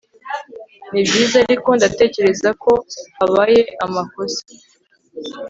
Nibyiza ariko ndatekereza ko habaye amakosa